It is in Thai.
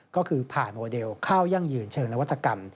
ก็คือผ่านโมเดลข้าวยั่งยืนเชิงนวัตกรรม